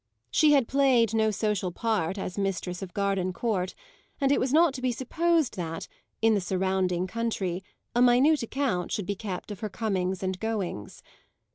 She had played no social part as mistress of Gardencourt, and it was not to be supposed that, in the surrounding country, a minute account should be kept of her comings and goings.